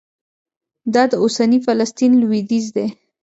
دا د اوسني فلسطین لوېدیځ دی.